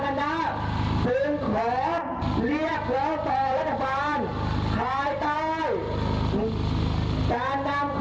ข้อที่หนึ่งให้นำรัฐกรณีปีสองห้าสี่สิบกลับมาอย่างโดยท่าน